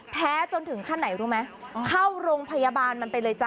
จนถึงขั้นไหนรู้ไหมเข้าโรงพยาบาลมันไปเลยจ้